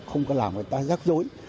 không có làm người ta rắc rối